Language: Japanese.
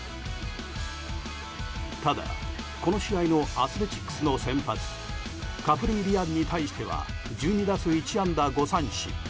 ただ、この試合のアスレチックスの先発カプリーリアンに対しては１２打数１安打５三振。